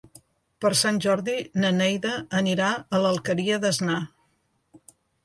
Per Sant Jordi na Neida anirà a l'Alqueria d'Asnar.